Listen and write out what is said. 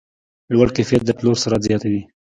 لوړ کیفیت د پلور سرعت زیاتوي.